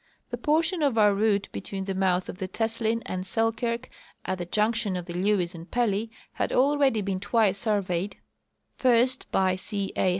The portion of our route between the mouth of the Teslin and Selkirk, at the junction of the Lewes and Pelh^, had already been twice surveyed, first by C. A.